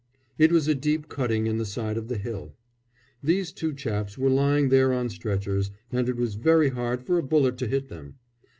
It was a deep cutting in the side of the hill. These two chaps were lying there on stretchers, and it was very hard for a bullet to hit them.